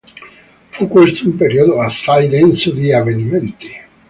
Fu questo un periodo assai denso di avvenimenti.